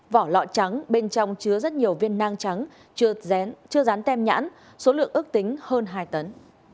vỏ lọ trắng bên trong chứa rất nhiều viên nang trắng chưa dán tem nhãn số lượng ước tính hơn hai tấn